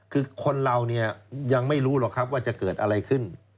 คือคนเราเนี่ยยังไม่รู้หรอกครับว่าจะเกิดอะไรขึ้น